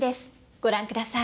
ご覧ください。